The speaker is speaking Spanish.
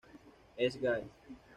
Es gay.